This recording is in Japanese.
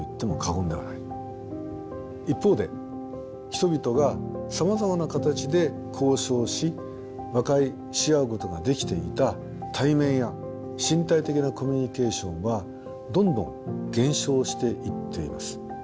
一方で人々がさまざまな形で交渉し和解し合うことができていた対面や身体的なコミュニケーションはどんどん減少していっています。